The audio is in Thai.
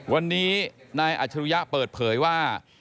วันนี้นายอัจฉริยะเปิดเผยว่า